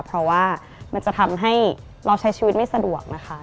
เพราะว่ามันจะทำให้เราใช้ชีวิตไม่สะดวกนะคะ